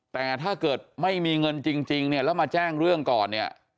แต่ถ้าเกิดไม่มีเงินจริงแล้วมาแจ้งเรื่องก่อน